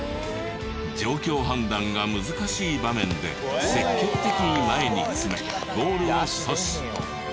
状況判断が難しい場面で積極的に前に詰めゴールを阻止。